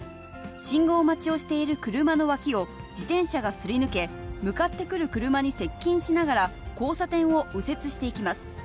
信号待ちをしている車の脇を自転車がすり抜け、向かってくる車に接近しながら交差点を右折していきます。